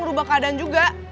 terima kasih vagina